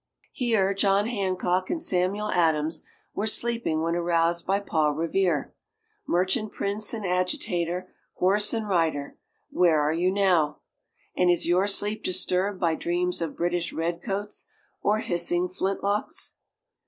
"Here John Hancock and Samuel Adams were sleeping when aroused by Paul Revere!" Merchant prince and agitator, horse and rider where are you now? And is your sleep disturbed by dreams of British redcoats or hissing flintlocks?